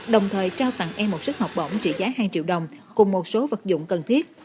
đồng thời trao tặng em một suất học bổng trị giá hai triệu đồng cùng một số vật dụng cần thiết